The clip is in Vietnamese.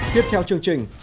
tiếp theo chương trình